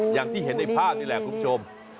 อย่างที่เห็นในภาพนี่แหละคุณผู้ชม